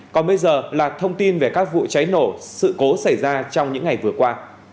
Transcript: còn bây giờ là thông tin về các vụ cháy nổ sự cố xảy ra trong những ngày vừa qua